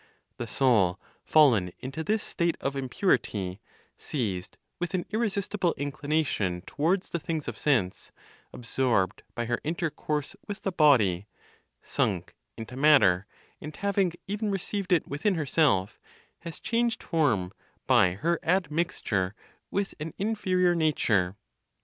The soul fallen into this state of impurity, seized with an irresistible inclination towards the things of sense, absorbed by her intercourse with the body, sunk into matter, and having even received it within herself, has changed form by her admixture with an inferior nature.